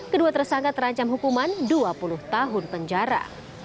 kedua tersangka terancam hukuman dua puluh tahun penjara